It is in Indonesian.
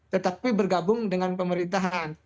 tetapi bergabung dengan pemerintah